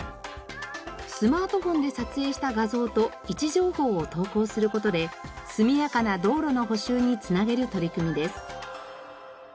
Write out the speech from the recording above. スマートフォンで撮影した画像と位置情報を投稿する事で速やかな道路の補修につなげる取り組みです。